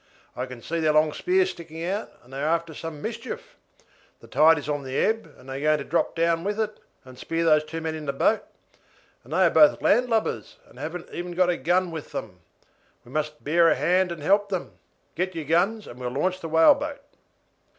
I can see their long spears sticking out, and they are after some mischief. The tide is on the ebb, and they are going to drop down with it, and spear those two men in the boat; and they are both landlubbers, and haven't even got a gun with them. We must bear a hand and help them. Get your guns and we'll launch the whaleboat."